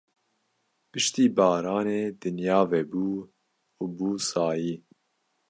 Piştî baranê dinya vebû û bû sayî.